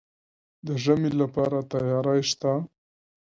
د ژمي لپاره تیاری شته؟